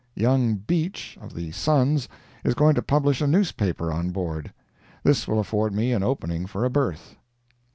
Young Beach, of the Suns is going to publish a newspaper on board. This will afford me an opening for a berth.